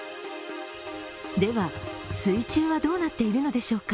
では、水中はどうなっているのでしょうか。